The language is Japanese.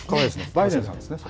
バイデンさんですね。